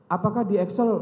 apakah di eksel